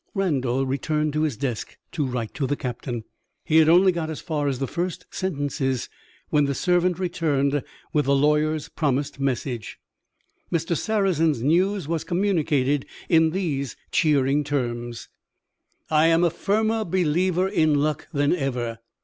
Randal returned to his desk to write to the Captain. He had only got as far as the first sentences, when the servant returned with the lawyer's promised message. Mr. Sarrazin's news was communicated in these cheering terms: "I am a firmer believer in luck than ever.